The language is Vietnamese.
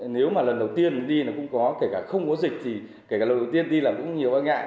nếu mà lần đầu tiên đi nó cũng có kể cả không có dịch thì kể cả lần đầu tiên đi là cũng nhiều bác ngại